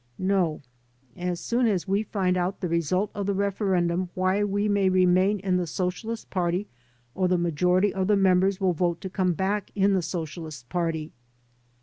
"No. ... As soon as we find out the result of the referendum why we may remain in the Socialist Party or the majority of the members will vote to come back in the Socialist Party."